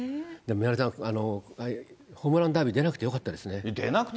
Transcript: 宮根さん、ホームランダービー出なくてよかったですね。